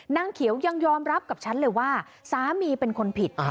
นางเขียวยังยอมรับกับฉันเลยว่าสามีเป็นคนผิด